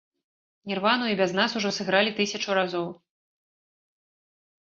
Нірвану і без нас ужо сыгралі тысячу разоў.